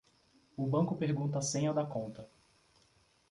O banco pergunta a senha da conta.